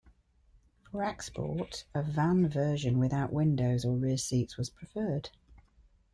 For export, a van version without windows or rear seats was preferred.